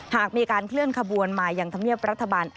หากมีการเคลื่อนขบวนมาอย่างธรรมเนียบรัฐบาล